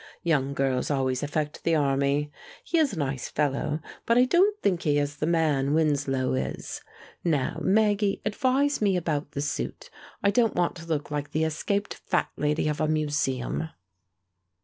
Young girls always affect the army. He is a nice fellow, but I don't think he is the man Winslow is. Now, Maggie, advise me about the suit. I don't want to look like the escaped fat lady of a museum."